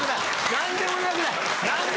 ・何でもなくない！